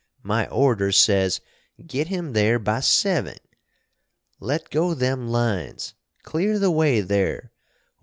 My orders says, 'Git him there by seving.' Let go them lines! Clear the way there!